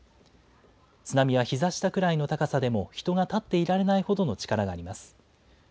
津波はひざ下ぐらいの高さでも人が立っていられないほどの力があります。